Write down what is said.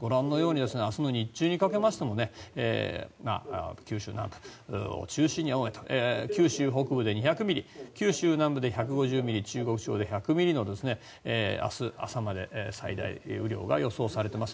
ご覧のように明日の日中にかけましても九州南部を中心に大雨と九州北部で２００ミリ九州南部で１５０ミリ中国地方で１００ミリの明日朝まで最大雨量が予想されてます。